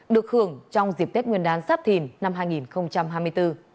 được hưởng trong dịp tết nguyên đán sắp thìn năm hai nghìn hai mươi bốn